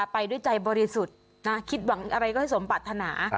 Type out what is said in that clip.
ไปด้วยใจบริสุทธิ์คิดหวังอะไรก็ให้สมปรัฐนา